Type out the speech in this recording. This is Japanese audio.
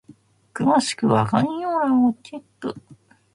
詳しくは概要欄をチェック！